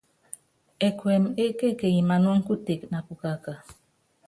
Ɛkuɛmɛ ékekenyi manúŋɔ kutéke na pukaka.